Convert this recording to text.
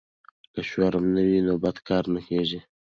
که شرم وي نو بد کار نه کیږي.